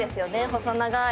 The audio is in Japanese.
細長ーい。